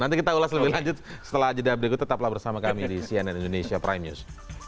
nanti kita ulas lebih lanjut setelah jeda berikut tetaplah bersama kami di cnn indonesia prime news